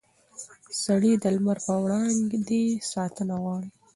سړي د لمر پر وړاندې ساتنه غواړي.